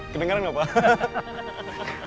kedengeran gak pak